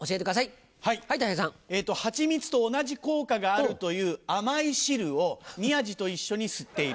蜂蜜と同じ効果があるという甘い汁を宮治と一緒に吸っている。